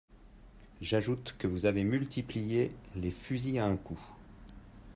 J’ajoute que vous avez multiplié les fusils à un coup.